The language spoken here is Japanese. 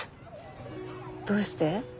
どうして？